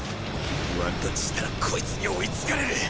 ワンタッチしたらこいつに追いつかれる！